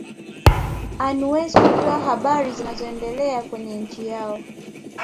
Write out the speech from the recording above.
anwez kutoa habari zinazoendelea kwenye nchi yao